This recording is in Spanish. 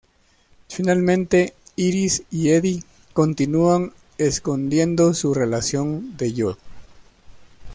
Finalmente, Iris y Eddie continúan escondiendo su relación de Joe.